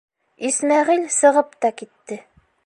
Исмәғил сығып та китте.